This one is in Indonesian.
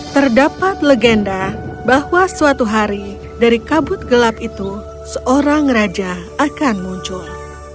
terdapat legenda bahwa suatu hari dari kabut gelap itu seorang raja akan muncul